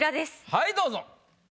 はいどうぞ。